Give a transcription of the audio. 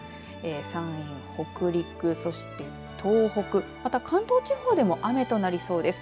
山陰、北陸、そして東北また関東地方でも雨となりそうです。